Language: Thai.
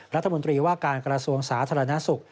รัฐมนตรีว่าการกระทรวงสาธารณสุข